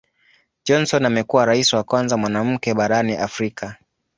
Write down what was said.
Johnson amekuwa Rais wa kwanza mwanamke barani Afrika.